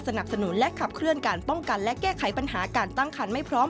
สนับสนุนและขับเคลื่อนการป้องกันและแก้ไขปัญหาการตั้งคันไม่พร้อม